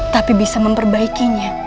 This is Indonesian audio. tapi bisa memperbaikinya